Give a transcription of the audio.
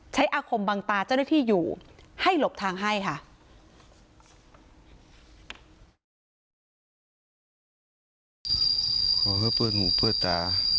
อาคมบังตาเจ้าหน้าที่อยู่ให้หลบทางให้ค่ะ